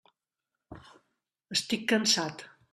Estic cansat.